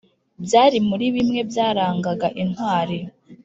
byari muri bimwe mu byarangaga intwari.